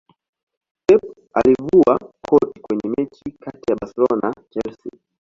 pep alivua koti Kwenye mechi kati ya barcelona na chelsea